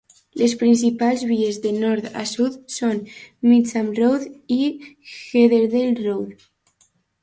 Les principals vies de nord a sud són Mitcham Road i Heatherdale Road.